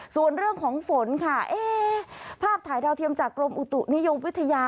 ส่วนเรื่องของฝนค่ะภาพถ่ายดาวเทียมจากกรมอุตุนิยมวิทยา